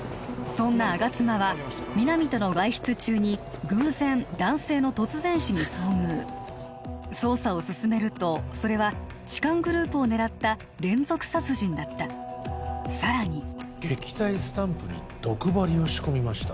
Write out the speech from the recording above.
そんな吾妻は皆実との外出中に偶然男性の突然死に遭遇捜査を進めるとそれは痴漢グループを狙った連続殺人だったさらに「撃退スタンプに毒針を仕込みました」